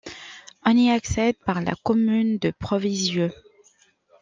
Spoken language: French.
On y accède par la commune de Proveysieux.